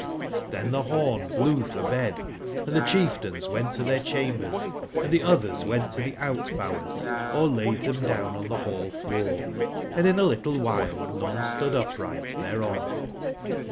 Chen the horn blew for bed, and the chief tains went to their chambers, and the others went to the out/bowers or laid them down on the hall/floor, and in a little while none stood up right thereon.